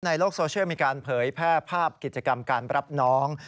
ในโลกโซเชียลมีการเผยแพร่ภาพกิจกรรมการรับน้อง